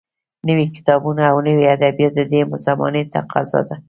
نوي کتابونه او نوي ادبیات د دې زمانې تقاضا ده